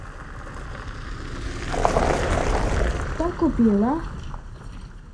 За прошедший год значительно продвинулось судебное разбирательство по ситуации в Кении.